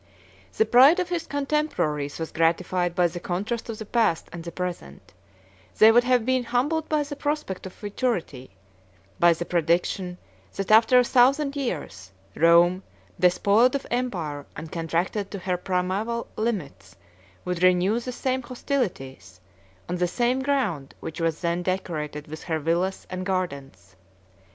The pride of his contemporaries was gratified by the contrast of the past and the present: they would have been humbled by the prospect of futurity; by the prediction, that after a thousand years, Rome, despoiled of empire, and contracted to her primæval limits, would renew the same hostilities, on the same ground which was then decorated with her villas and gardens.